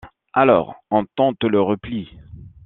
alors on tente le repli.